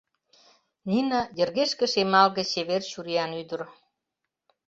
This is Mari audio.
Нина йыргешке шемалге-чевер чуриян ӱдыр.